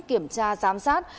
kiểm tra giám sát